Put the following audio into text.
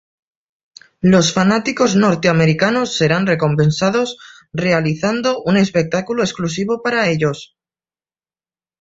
Los fanáticos norteamericanos serán recompensados realizando un espectáculo exclusivo para ellos.